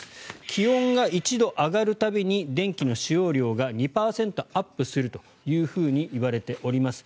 気温が１度上がる度に電気の使用量が２％アップするというふうにいわれております。